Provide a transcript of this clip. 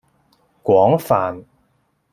廣泛